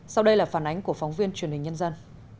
sau đây là phản ánh của phóng viên truyền hình nhân dân